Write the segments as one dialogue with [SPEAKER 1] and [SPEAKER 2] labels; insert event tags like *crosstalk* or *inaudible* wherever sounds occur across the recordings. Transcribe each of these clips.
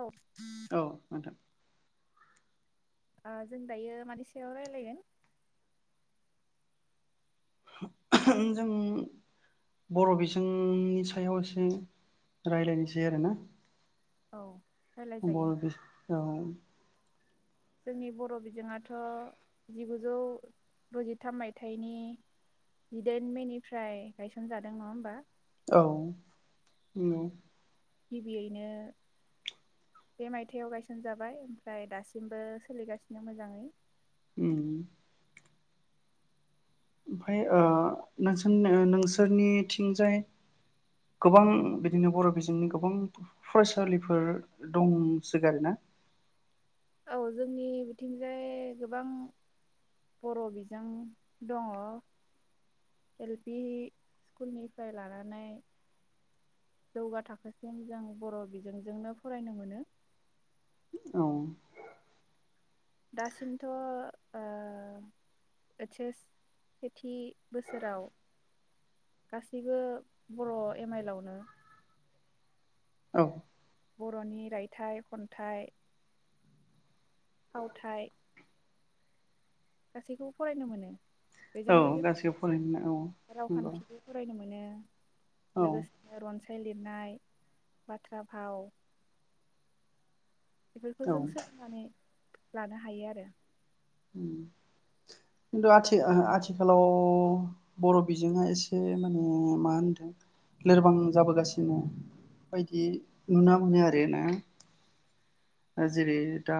[SPEAKER 1] औ।
[SPEAKER 2] औ नोंथां।
[SPEAKER 1] ओ जों दायो मानि सायाव रायलायगोन।
[SPEAKER 2] *unintelligible* जों बर' बिजोंनि सायाव एसे रायलायनोसै आरोना।
[SPEAKER 1] औ रायलायजायो
[SPEAKER 2] बर' बि *inaudible* औ।
[SPEAKER 1] जोंनि बर' बिजोङाथ' जिगुजौ द'जिथाम मायथाइनि जिदाइन मेनिफ्राय गायसनजादों नङा होमबा।
[SPEAKER 2] औ नोंगौ।
[SPEAKER 1] गिबियैनो बे मायथायाव गायसनजाबाय ओमफ्राय दासिमबो सोलिगासिनो मोजाङै।
[SPEAKER 2] उम। ओमफ्राय ओ नोंसोरनो नोंसोरनिथिंजाय गोबां बिदिनो बर' बिजोंनि गोबां फरायसालिफोर दंसोगारोना।
[SPEAKER 1] औ जोंनि बिथिंजाय गोबां बर' बिजों दङ एल-पि स्कुलनिफ्राय लानानै जौगा थाखोसिम जों बर' बिजोंजोंनो फरायनो मोनो।
[SPEAKER 2] औ।
[SPEAKER 1] दासिमथ' ओ ऐस-एस सेथि बोसोराव गासैबो बर' एम आइल आवनो
[SPEAKER 2] औ।
[SPEAKER 1] बर'नि रायथाइ खन्थाइ। फावथाय। गासैखौबो फरायनो मोनो। बेजों
[SPEAKER 2] औ
[SPEAKER 1] लोगो
[SPEAKER 2] गासैबो फरायनो औ नंगौ
[SPEAKER 1] रावखान्थिबो फरायनो मोनो।
[SPEAKER 2] औ
[SPEAKER 1] लोगोसे रनसाय लि नाय बाथ्रा भाव। बेफोरखौ
[SPEAKER 2] औ
[SPEAKER 1] जों सोलोंनानै। लानो हायो आरो।
[SPEAKER 2] उम खिन्थु आथि- आथिखालाव बर' बिजोआ एसे माने मा होनदों लोरबां जाबोगासिनो बायदि नुना मोनो आरोना। ओ- जेरै दा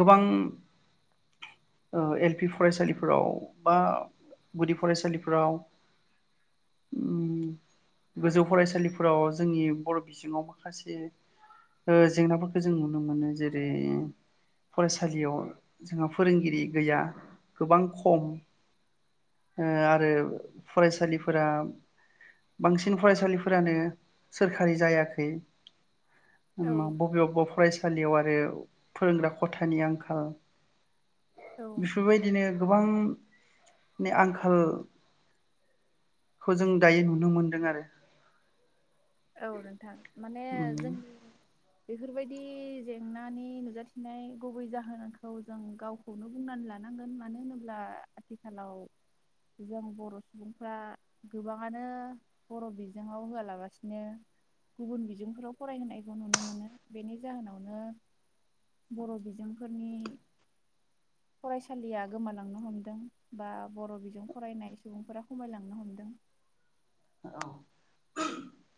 [SPEAKER 2] गोबां ओ- एल पि फरायसालिफोराव बा गुदि फरायसालिफोराव उम गोजौ फरायसालिफोराव जोंनि बर' बिजोङाव माखासे। ओ- जेंनाफोरखो जों नुनो मोनो जेरै फरायसालियाव जोंहा फोरोंगिरि गैया गोबां खम ओ-आरो फरायसालिफोरा बांसिन फरायसालिफोरानो सोरखारि जायाखै।
[SPEAKER 1] औ
[SPEAKER 2] ओम ब'बेयावबा फरायसालियाव आरो फोरोंग्रा खथानि आंखाल।
[SPEAKER 1] औ
[SPEAKER 2] बिफोरबायदिनो गोबां नि आंखाल खौ जों दायो नुनो मोनदों आरो।
[SPEAKER 1] औ नोंथां माने जोंनि बेफोरबायदि जेंनानि नुजाथिनाय गुबै जाहोनखौ जों गावखौनो बुंनानै लानांगोन मानो होनोब्ला आथिखालाव जों बर' सुबुंफ्रा गोबाङानो बर' बिजोङाव होआलाबासिनो। गुबुन बिजोंफोराव फरायहोनायखौ नुनो मोनो बेनि जाहोनावनो बर' बिजोंफोरनि फरायसालिया गोमालांनो हमदों बा बर' बिजों फरायनाय सुबुंफोरा खमायलांनो हमदों।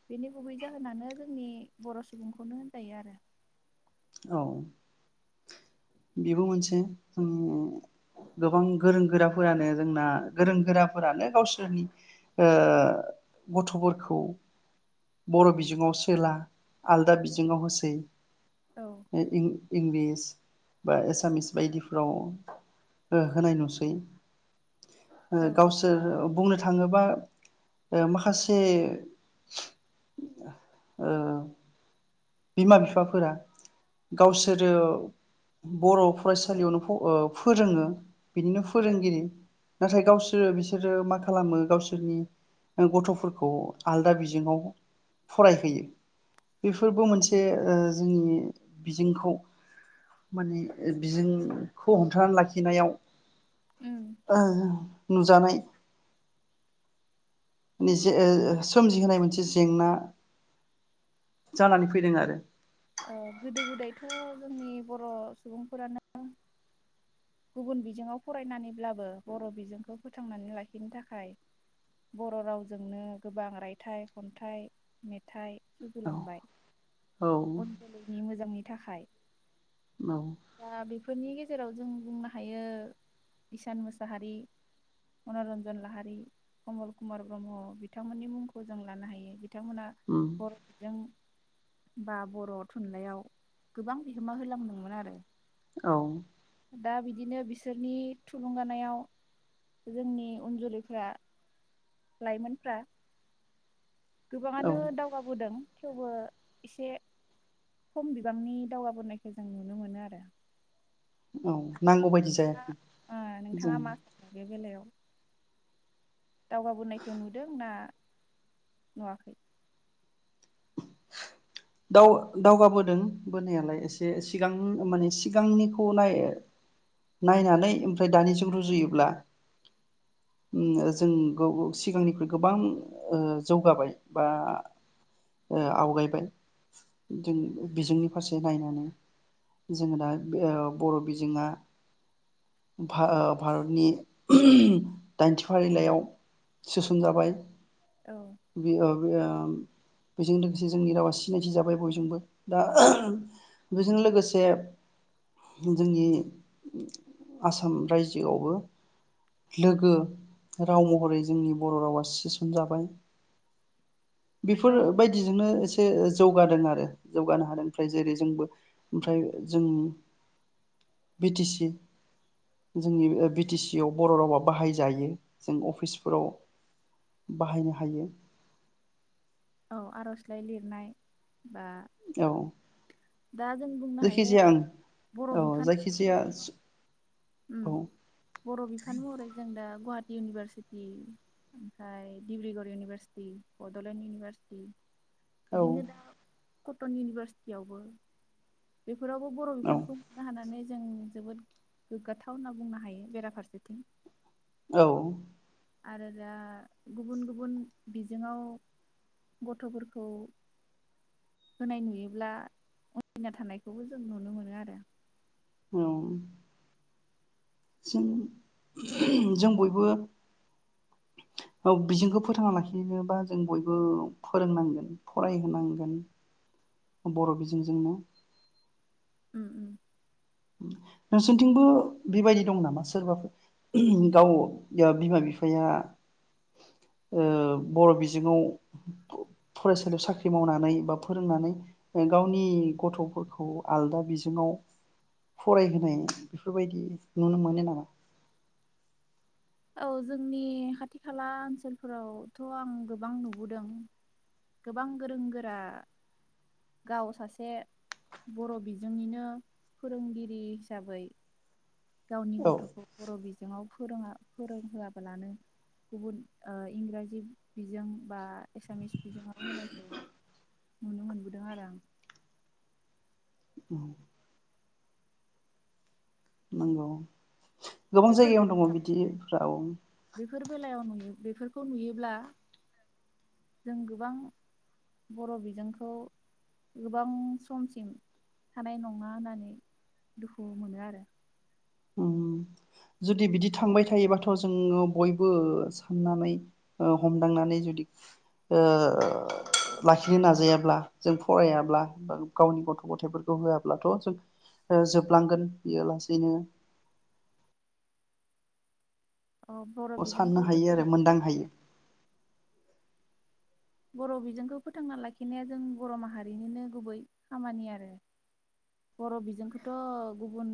[SPEAKER 1] बेनि गुबै जाहोनानो जोंनि बर' सुबुंखौनो होनजायो आरो।
[SPEAKER 2] औ। बेबो मोनसे जोंनि ओम गोबां गोरों गोराफोरानो जोंना गोरों गोराफोरानो गावसोरनि ओ-गथ'फोरखौ बर' बिजोङाव सोला आलदा बिजोङाव होसै।
[SPEAKER 1] औ
[SPEAKER 2] *unintelligible* इंलिस बा एसामिस बायदिफ्राव हो-होनाय नुसै।
[SPEAKER 1] औ औ
[SPEAKER 2] ओ-गावसोर बुंनो थाङोबा ओ-माखासे ओ- बिमा बिफाफोरा गावसोरो बर' फरायसालियावनो फ-ओ-फोरोङो बिनिनो फोरोंगिरि नाथाय गावसोरो बिसोरो मा खालामो गावसोरनि ओ-गथ'फोरखौ आलदा बिजोङाव फरायहोयो। बेफोर बो मोनसे ओ-जोंनि बिजोंखौ माने बिजोंखौ हमथानानै लाखिनायाव।
[SPEAKER 1] उम
[SPEAKER 2] *unintelligible* नुजानाय *unintelligible* सोमजिहोनाय मोनसे जेंना जानानै फैदों आरो।
[SPEAKER 1] ओ- गोदो गोदायथ' जोंनि बर' सुबुंफोरानो। गुबुन बिजोङाव फरायनानैब्लाबो बर' बिजोंखौ फोथांनानै लाखिनो थाखाय बर' रावजोंनो गोबां रायथाइ खन्थाइ मेथाइ। सुजुलांबाय
[SPEAKER 2] औ
[SPEAKER 1] उन जोलैनि मोजांनि। थाखाय दा बेफोरनि जों बुंनो हायो इसान मुसाहारि, मनरन्जन लाहारि, कमल कुमार ब्रह्म बिथांमोननि मुंखौ जों लानो हायो। बिथांमोना
[SPEAKER 2] औ
[SPEAKER 1] बर'जों बा बर' थुनलाइयाव गोबां बिहोमा होलांदोंमोन आरो।
[SPEAKER 2] औ।
[SPEAKER 1] दा बिदिनो बिसोरनि थुलुंगानायाव जोंनि उन जोलैफ्रा लाइमोनफ्रा
[SPEAKER 2] औ
[SPEAKER 1] गोबाङानो दावगाबोदों। थेवबो एसे खम बिबांनि दावगाबोनायखौ जों नुनो मोनो आरो।
[SPEAKER 2] औ। नांगौबायदि जायाखै
[SPEAKER 1] दा ओ
[SPEAKER 2] जों
[SPEAKER 1] नोंथाङा मा सानो बे बेलायाव दावगाबोनायखौ नुदों ना नुवाखै
[SPEAKER 2] दाव-दावगाबोदों बोनायालाय एसे सिगां माने सिगांनिखौ नाय-नायनानै ओमफ्राय दानिजों रुजुयोब्ला जों सिगांनिख्रुइ गोबां जौगाबाय बा आवगायबाय जों बिजोंनि फारसे नायनानै जोङो दा बर' बिजोङा मा-भारतनि दाइनथि फारिलाइयाव सोसनजाबाय
[SPEAKER 1] औ।
[SPEAKER 2] *unintelligible* बेजों लोगोसे जोंनि रावा सिनायथि जाबाय बयजोंबो दा बेजों लोगोसे जोंनि आसाम रायजोआवबो लोगो राव महरै जोंनि बर' रावा सोसनजाबाय।
[SPEAKER 1] औ
[SPEAKER 2] बेफोर नो एसे जौगादों आरो जौगानो हादों ओमफ्राय जेरै जोंबो ओमफ्राय जों बिटि सि जोंनि बिटि सि आव बर' रावा बाहायजायो जों अफिसफोराव बाहायनो हायो
[SPEAKER 1] औ आर'जलाइ लिरनाय बा
[SPEAKER 2] औ
[SPEAKER 1] दा जों बुंनो हायो
[SPEAKER 2] जायखिजाया आं
[SPEAKER 1] बर'
[SPEAKER 2] औ
[SPEAKER 1] बिफान
[SPEAKER 2] जायखिजाया
[SPEAKER 1] उम
[SPEAKER 2] औ
[SPEAKER 1] बर' बिफान महरै जों दा गुवाहाटि इउनिभारसिटि ओमफ्राय डिब्रुगर इउनिभारसिटि बड'लेण्ड इउनिभारसिटि
[SPEAKER 2] औ
[SPEAKER 1] बिदिनो दा कटन इउनिभारसिटिवबो बे बेफोरावबो बर'
[SPEAKER 2] औ
[SPEAKER 1] बिफानखौ खुंनो हानानै जों जोबोद गोग्गाथाव होनना बुंनो हायो बेराफारसेथिं
[SPEAKER 2] औ
[SPEAKER 1] आरो दा गुबुन गुबुन बिजोङाव गथ'फोरखौ होनाय नुयोब्ला अजिना थानायखौबो जों नुनो मोनो आरो
[SPEAKER 2] औ जों जों बयबो बिजोंखौ फोथांना लाखिनोबा जों बयबो फोरोंनांगोन फरायहोनांगोन बर' बिजोंजोंनो
[SPEAKER 1] उम-उम
[SPEAKER 2] नोंसोरथिंबो बेबायदि दं नामा सोरबाफोर गाव बिमा बिफाया ओ बर' बिजोङाव फरायसालियाव साख्रि मावनानै बा फोरोंनानै गावनि गथ'फोरखौ आलदा बिजोङाव फरायहोनाय बेफोरबायदि नुनो मोनो नामा
[SPEAKER 1] औ जोंनि खाथि खाला ओनसोलफोरावथ' आं गोबां नुबोदों गोबां गोरों गोरा गाव सासे बर' बिजोंनिनो फोरोंगिरि हिसाबै गावनि
[SPEAKER 2] औ
[SPEAKER 1] गथ'खौ बर' बिजोङाव फोरोङा फोरोंहोआबालानो गुबुन इंराजि बिजों बा एसामिस बिजोंआव होनायखौ नुनो मोनबोदों आरो आं
[SPEAKER 2] नंगौ गोबां
[SPEAKER 1] बेफोर
[SPEAKER 2] जायगायावनो दङ बिदिफ्राव
[SPEAKER 1] बेफोर बेलायाव नुयो बेफोरखौ नुयोब्ला जों गोबां बर' बिजोंखौ गोबां समसिम थानाय नङा होननानै दुखु मोनो आरो
[SPEAKER 2] उम जुदि बिदि थांबाय थायोबाथ' जोङो बयबो साननानै हमदांनानै जुदि लाखिनो नाजायाब्ला जों फरायाब्ला बा गावनि गथ' गथायफोरखौ होआब्लाथ' जों जोबलांगोन बेयो लासैनो
[SPEAKER 1] अ बर'
[SPEAKER 2] अ
[SPEAKER 1] बिजोंखौ
[SPEAKER 2] साननो हायो आरो
[SPEAKER 1] फोथांना
[SPEAKER 2] मोनदां हायो
[SPEAKER 1] बर' बिजोंखौ फोथांना लाखिनाया जों बर' माहारिनिनो गुबै खामानि आरो बर' बिजोंखौथ' गुबुन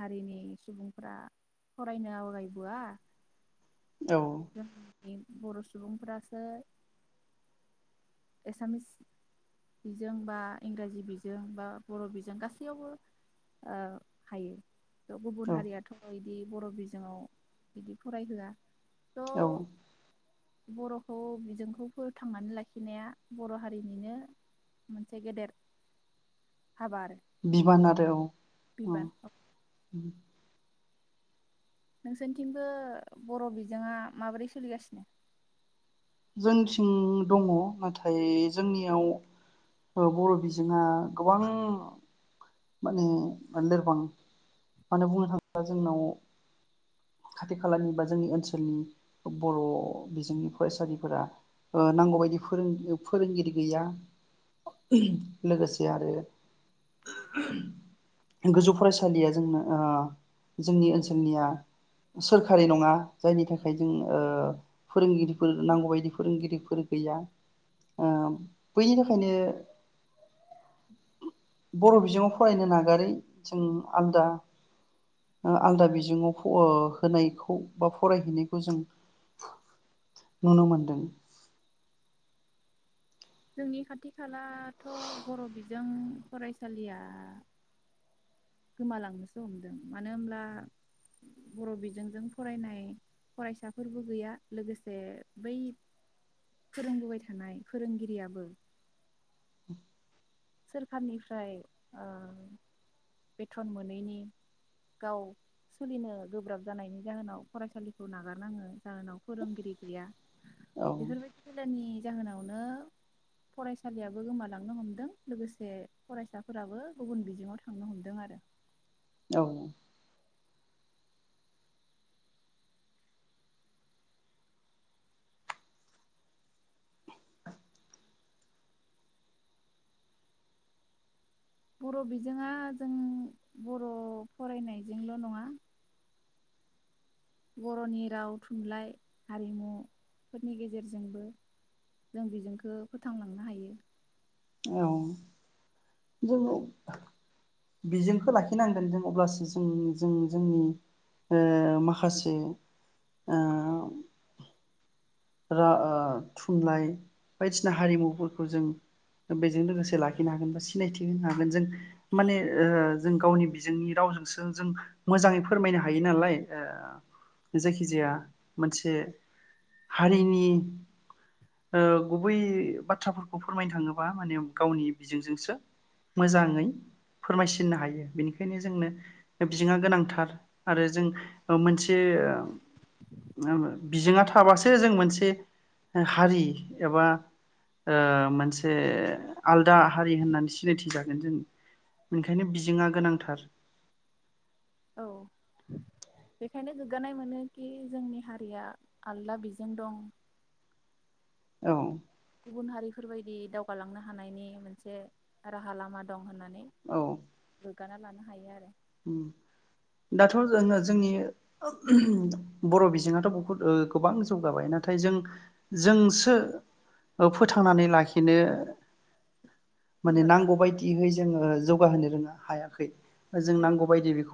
[SPEAKER 1] हारिनि सुबुंफोरा फरायनो आवगायबोआ
[SPEAKER 2] औ
[SPEAKER 1] *inaudible* बर' सुबुंफोरासो एसामिस बिजों बा इंराजि बिजों बा बर' बिजों गासैयावबो ओ हायो गुबुन
[SPEAKER 2] औ
[SPEAKER 1] हारियाथ' बिदि बर' बिजोङाव बिदि फरायहोआ
[SPEAKER 2] औ
[SPEAKER 1] थ' बर'खौ बिजोंखौ फोथांनानै लाखि नाया बर' हारिनिनो मोनसे गेदेर हाबा आरो
[SPEAKER 2] बिबान आरो औ अ उम
[SPEAKER 1] बिबान नोंसोरनिथिंबो बर' बिजोंआ माबोरै सोलिगासिनो
[SPEAKER 2] जोंनिथिं दङ नाथाय जोंनियाव बर' बिजोङा गोबां माने लोरबां मानो बुंनो थाङोब्ला जोंनाव खाथि खालानि बा जोंनि ओनसोलनि बर' बिजोंनि फरायसालिफोरा नांगौ बदि फोरों फोरोंगिरि गैया लोगोसे आरो गोजौ फरायसालिया जोंनो जोंनि ओनसोलनिया सोरखारि नङा जायनि थाखाय जों फोरोंगिरिफोर नांगौबायदि फोरोंगिरिफोर गैया बैनि थाखायनो बर' बिजोङाव फरायनो नागारै जों आलदा आलदा बिजोङाव होनायखौ बा फरायहैनायखौ जों नुनो मोनदों
[SPEAKER 1] जोंनि खाथि खालाथ' बर' बिजों फरायसालिया गोमालांनोसो हमदों मानो होमब्ला बर' बिजोंजों फरायनाय फरायसाफोरबो गैया लोगोसे बै फोरोंबोबाय थानाय फोरोंगिरियाबो सोरखारनिफ्राय ओ बेथन मोनैनि गाव सोलिनो गोब्राब जानायनि जाहोनाव फरायसालिखौ नागारनाङो जाहोनाव फोरोंगिरि गैया
[SPEAKER 2] औ
[SPEAKER 1] बेफोर बेलानि जाहोनावनो फरायसालियाबो गोमालांनो हमदों लोगोसे फरायसाफोराबो गुबुन बिजोङाव थां थांनो हमदों आरो
[SPEAKER 2] औ
[SPEAKER 1] बर' बिजोंआ जों बर' फरायनायजोंल' नङा बर'नि राव थुनलाइ हारिमुफोरनि गेजेरजोंबो जों बेजोंखौ फोथांलांनो हायो।
[SPEAKER 2] औ जोङो बिजोंखो लाखिनांगोन जों अब्लासो जों जों जोंनि ओ माखासे ओ रा ओ थुनलाइ बायदिसिना हारिमुफोरखौ जों बेजों लोगोसे लाखिनो हागोन बा सिनायथि होनो हागोन। गोन‌ जों माने ओ जों गावनि बिजोंनि रावजोंसो जों मोजाङै फोरमायनो हायो नालाय ओ जायखिजाया मोनसे हारिनि ओ गुबै बाथ्राफोरखौ फोरमायनो थाङोबा माने गावनि बिजोंजोंसो मोजाङै फोरमायसिननो हायो बेनिखायनो जोंनो बिजोङा गोनांथार आरो जों मोनसे ओम *unintelligible* बिजोङा थाबासो से जों मोनसे हारि एबा ओ मोनसे आलदा हारि होननानै सिनायथि जागोन जों ओंखायनो बिजोंङा गोनांथार।
[SPEAKER 1] औ बेखायनो गोग्गानाय मोनो कि जोंनि हारिया आलदा बिजों दं।
[SPEAKER 2] औ
[SPEAKER 1] गुबुन हारिफोरबायदि दावगालांनो हानायनि मोनसे राहा लामा दं होननानै
[SPEAKER 2] औ
[SPEAKER 1] गोग्गाना लानो हायो आरो
[SPEAKER 2] उम दाथ' जों जोंनि बर' बिजोङाथ' बहुद ओ गोबां जौगाबाय नाथाय जों जोंसो फोथांनानै लाखिनो माने
[SPEAKER 1] गोब्राब
[SPEAKER 2] नांगौ बायदियै जोङो जौगाहोनो रोङा हायाखै। जों
[SPEAKER 1] जाया
[SPEAKER 2] नांगौ बायदियै बेखौ